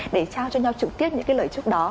để trao cho nhau trực tiếp những cái lời chúc đó